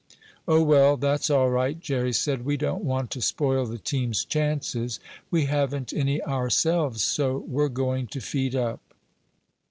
"Oh, well, that's all right," Jerry said. "We don't want to spoil the team's chances. We haven't any ourselves, so we're going to feed up."